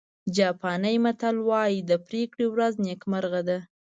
جاپاني متل وایي د پرېکړې ورځ نیکمرغه ده.